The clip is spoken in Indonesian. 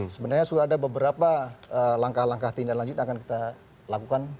sebenarnya sudah ada beberapa langkah langkah tindak lanjut yang akan kita lakukan